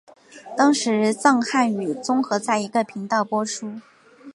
当时藏汉语综合在一个频道播出。